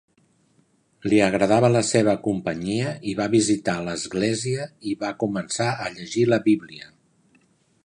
Li agradava la seva companyia i va visitar l'església i va començar a llegir la Bíblia.